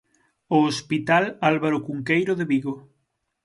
O hospital Álvaro Cunqueiro de Vigo.